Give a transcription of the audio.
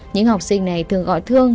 những học sinh này thường gọi thương